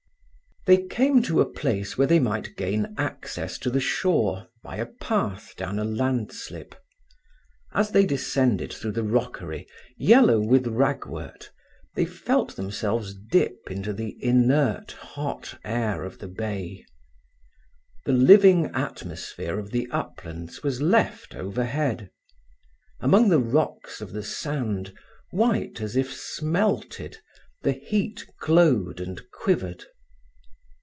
They came to a place where they might gain access to the shore by a path down a landslip. As they descended through the rockery, yellow with ragwort, they felt themselves dip into the inert, hot air of the bay. The living atmosphere of the uplands was left overhead. Among the rocks of the sand, white as if smelted, the heat glowed and quivered.